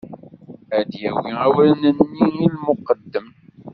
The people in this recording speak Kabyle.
Ad d-yawi awren-nni i lmuqeddem.